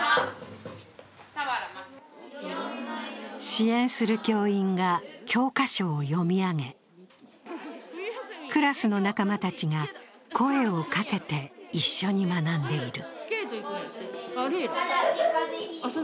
支援する教員が教科書を読み上げ、クラスの仲間たちが声をかけて一緒に学んでいる。